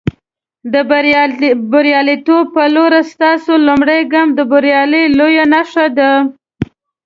د برياليتوب په لورې، ستاسو لومړنی ګام د بریا لویه نښه ده.